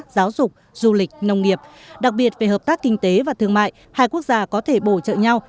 giáo dục du lịch nông nghiệp đặc biệt về hợp tác kinh tế và thương mại hai quốc gia có thể bổ trợ nhau